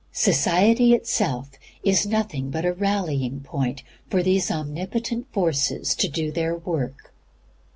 Society itself is nothing but a rallying point for these omnipotent forces to do their work.